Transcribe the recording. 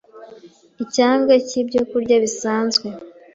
icyanga cy’ibyo byokurya bisanzwe